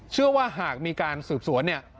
เชื่อว่าหากมีการสืบสวนเนี่ย